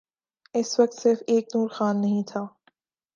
اس وقت صرف ایک نور خان نہیں تھا۔